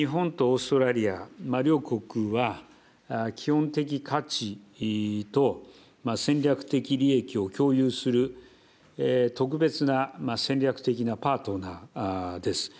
そして日本とオーストラリア、両国は、基本的価値と戦略的利益を共有する特別な戦略的なパートナーです。